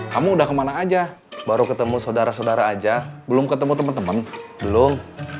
kamu udah kemana aja baru ketemu saudara saudara aja belum ketemu teman teman belum